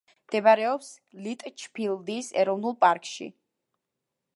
მდებარეობს ლიტჩფილდის ეროვნული პარკში.